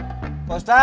tidak saya mau ke rumah